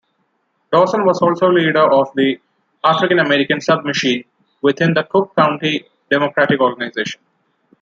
Dawson was also leader of the African-American "submachine" within the Cook County Democratic Organization.